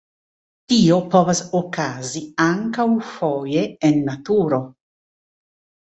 Tio povas okazi ankaŭ foje en naturo.